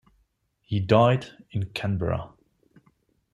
He died in Canberra.